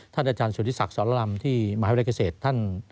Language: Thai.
ท่านอาจารย์สุริษักษ์สรรลำที่มหาวิทยาลัยเกษตร